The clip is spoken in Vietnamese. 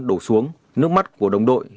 đổ xuống nước mắt của đồng đội